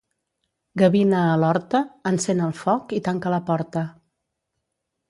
Gavina a l'horta, encén el foc i tanca la porta.